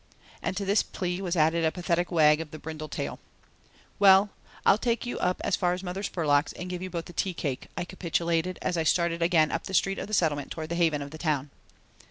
And to this plea was added a pathetic wag of the brindle tail. "Well, I'll take you up as far as Mother Spurlock's and give you both a tea cake," I capitulated as I started again up the street of the Settlement towards the haven of the Town.